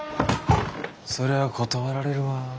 そりゃ断られるわ。